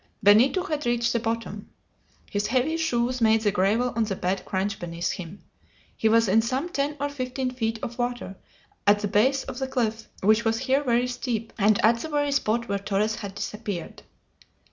Benito had reached the bottom. His heavy shoes made the gravel on the bed crunch beneath him. He was in some ten or fifteen feet of water, at the base of the cliff, which was here very steep, and at the very spot where Torres had disappeared.